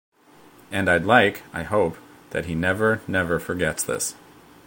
And I'd like, I hope, that he never, never forgets this.